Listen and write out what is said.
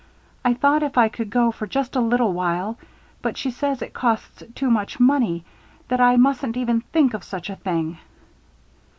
I thought if I could go for just a little while but she says it costs too much money that I mustn't even think of such a thing."